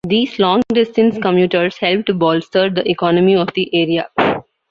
These long-distance commuters helped to bolster the economy of the area.